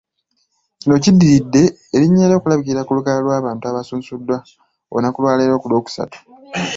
Kino kiddiridde erinnya lye okulabikira ku lukalala lw'abantu abasunsuddwa olunaku lwaleero ku Lw'okusatu.